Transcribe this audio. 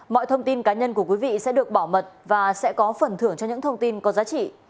mọi thông tin cá nhân của quý vị sẽ được bảo mật và sẽ có phần thưởng cho những thông tin có giá trị